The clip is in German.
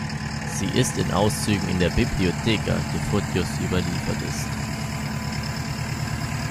Sie ist in Auszügen in der "Biblioteca" des Photios überliefert ist.